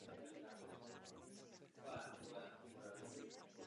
Po první světové válce se stala součástí pruské provincie Horní Slezsko.